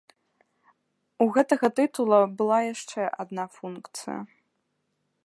У гэтага тытула была яшчэ адна функцыя.